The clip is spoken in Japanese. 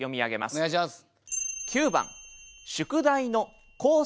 お願いします。